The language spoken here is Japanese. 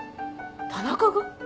⁉田中が？